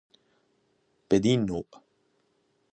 بدین نوع